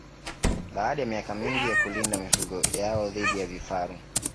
Baada ya miaka mingi ya kulinda mifugo yao dhidi ya vifaru